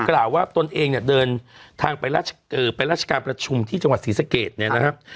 กล่าวว่าตนเองเนี่ยเดินทางไปราชการประชุมที่จังหวัดศรีสะเกดเนี่ยนะครับ